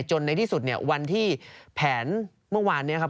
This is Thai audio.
ในที่สุดเนี่ยวันที่แผนเมื่อวานนี้ครับ